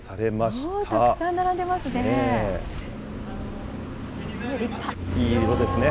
すごいたくさん並んでますね。